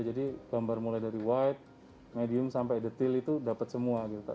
jadi gambar mulai dari wide medium sampai detail itu dapat semua gitu